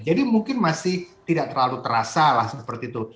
jadi mungkin masih tidak terlalu terasa lah seperti itu